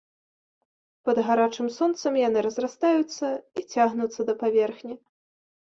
Пад гарачым сонцам яны разрастаюцца і цягнуцца да паверхні.